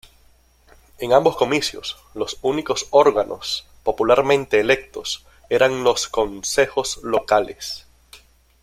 En ambos comicios, los únicos órganos popularmente electos eran los concejos locales.